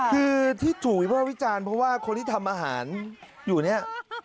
คือที่จุ๋ยว่าวิจารณ์เพราะว่าคนที่ทำอาหารอยู่เนี่ย